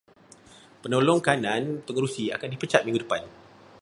Penolong kanan pengerusi akan dipecat minggu depan.